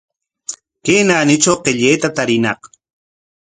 Chay naanitrawshi qillayta tariñaq.